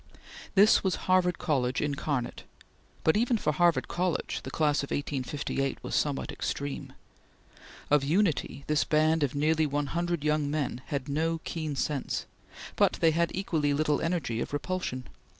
This was Harvard College incarnate, but even for Harvard College, the Class of 1858 was somewhat extreme. Of unity this band of nearly one hundred young men had no keen sense, but they had equally little energy of repulsion.